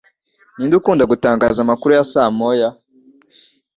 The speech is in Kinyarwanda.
Ninde ukunda gutangaza amakuru ya saa moya?